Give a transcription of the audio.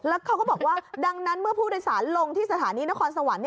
แล้วเขาก็บอกว่าดังนั้นเมื่อผู้โดยสารลงที่สถานีนครสวรรค์